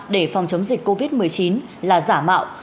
để phòng chống dịch covid một mươi chín là giả mạo